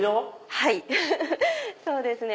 はいそうですね。